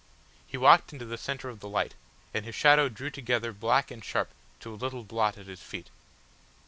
He walked into the centre of the light, and his shadow drew together black and sharp to a little blot at his feet.